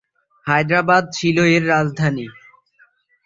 হায়দ্রাবাদ ছিল এর রাজধানী।